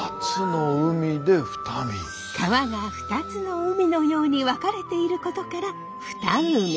川が二つの海のように分かれていることから二海。